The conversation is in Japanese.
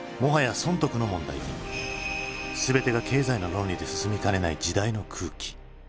全てが経済の論理で進みかねない時代の空気。